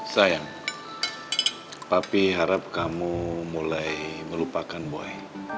sayang tapi harap kamu mulai melupakan boy